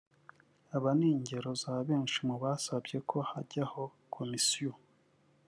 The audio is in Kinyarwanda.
Aba ni ingero za benshi mu basabye ko hajyaho commission